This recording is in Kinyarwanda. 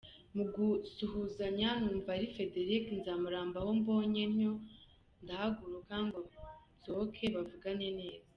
Mu gusuhuzanya numva ari Frédéric Nzamurambaho, mbonye ntyo ndahaguruka ngo nsohoke bavugane neza.